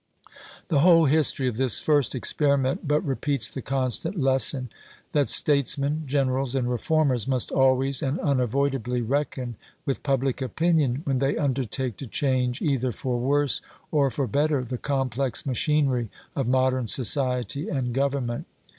The whole history of this first experiment but repeats the constant lesson, that statesmen, gen erals, and reformers must always and unavoidably reckon with public opinion when they undertake to change either for worse or for better the complex machinery of modern society and government.